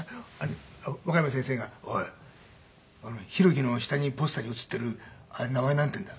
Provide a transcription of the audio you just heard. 若山先生が「おい弘樹の下にポスターに写っているあれ名前なんていうんだ？」